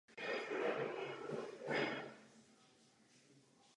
Po zatčení několika osob již k žádným dalším incidentům nedošlo.